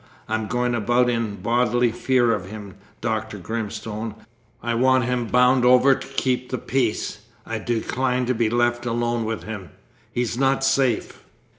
I am going about in bodily fear of him, Dr. Grimstone. I want him bound over to keep the peace. I decline to be left alone with him he's not safe!"